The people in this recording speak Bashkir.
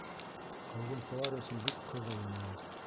Ҡыуғынсылар өсөн бик ҡыҙыу мәл.